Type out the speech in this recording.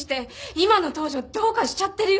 今の東城どうかしちゃってるよ。